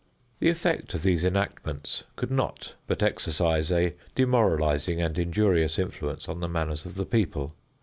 The effect of these enactments could not but exercise a demoralizing and injurious influence on the manners of the people.